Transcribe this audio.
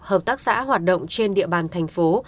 hợp tác xã hoạt động trên địa bàn thành phố